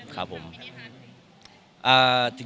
เป็นท่ามิเนียฮาร์ดหรือยัง